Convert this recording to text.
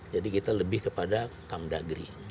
jadi kita lebih kepada kam dagri